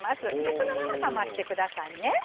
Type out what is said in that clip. そのまま冷ましてくださいね。